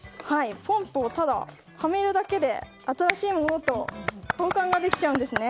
ポンプをはめるだけで新しいものと交換ができちゃうんです。